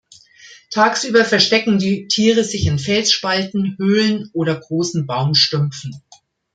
Tagsüber verstecken die Tiere sich in Felsspalten, Höhlen oder großen Baumstümpfen.